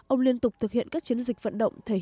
ông liên tục thực hiện các chiến dịch vận động